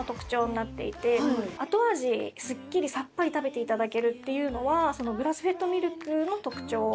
後味すっきりさっぱり食べていただけるっていうのはグラスフェッドミルクの特徴。